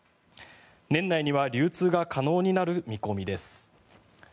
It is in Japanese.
年内には流通が可能になる見込みです。